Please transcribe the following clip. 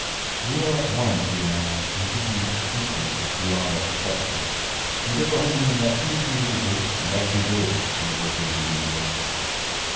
We are at one, he and I, in thinking that the infinite is beyond our perception. We differ only in that he sees evil and I see good in the working of the universe.